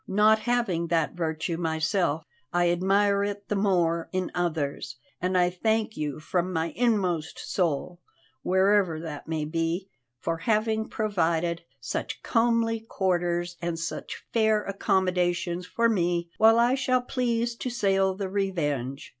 Not having that virtue myself, I admire it the more in others, and I thank you from my inmost soul wherever that may be for having provided such comely quarters and such fair accommodations for me while I shall please to sail the Revenge.